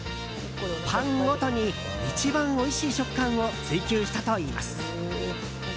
パンごとに一番おいしい食感を追求したといいます。